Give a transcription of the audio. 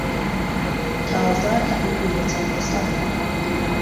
تازه که عەمری له چارده ساڵه